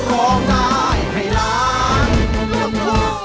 ร้อง